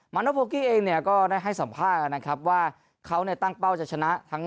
โนโพกี้เองเนี่ยก็ได้ให้สัมภาษณ์นะครับว่าเขาเนี่ยตั้งเป้าจะชนะทั้ง